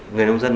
người nông dân